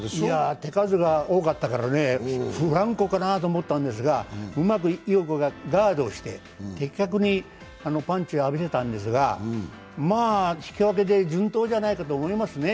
手数が多かったからフランコかなと思ったんですが、うまく井岡がガードして的確にパンチを浴びせたんですが、まあ、引き分けで順当じゃないかと思いますけどね。